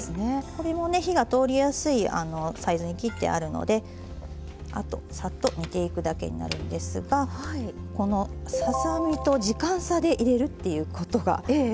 これもね火が通りやすいサイズに切ってあるのであとサッと煮ていくだけになるんですがこのささ身と時間差で入れるっていうことがとてもポイントになります。